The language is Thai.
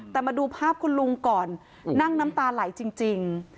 แต่มาดูภาพคุณลุงก่อนนั่งน้ำตาไหลจริง